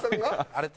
あれ。